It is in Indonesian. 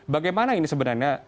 bagaimana ini sebenarnya